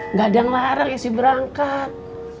nggak ada yang larang ya si berangkat